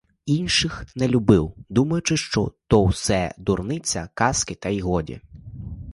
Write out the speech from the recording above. Інших не любив, думаючи, що то все дурниця, казки та й годі.